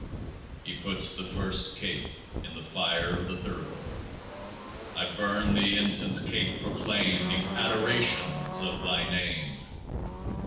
He puts the first Cake on the Fire of the Thurible. I burn the Incense cake, proclaim These adorations of Thy name.